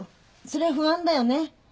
それは不安だよね。